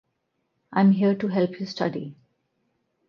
I am here to help you study.